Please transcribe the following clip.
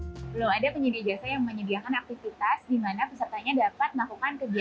belum ada penyedia jasa yang menyediakan aktivitas di mana pesertanya dapat melakukan kegiatan